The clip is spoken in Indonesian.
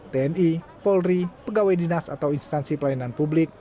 tni polri pegawai dinas atau instansi pelayanan publik